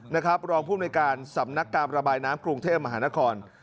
นะครับรองผู้ในการสำนักการระบายน้ำกรุงเทพฯมหานคร